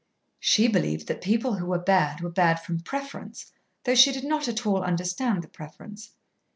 She believed that people who were bad were bad from preference, though she did not at all understand the preference.